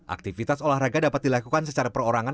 aktivitas olahraga dapat dilakukan secara perorangan